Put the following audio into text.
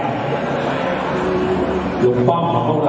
หลายคนอยู่กล้องของเรานี่ละครับ